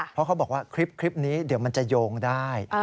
เพราะเขาบอกว่าคลิปนี้เดี๋ยวมันจะโยงได้